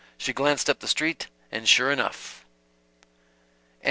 She glanced up the street, and sure enough Part 5.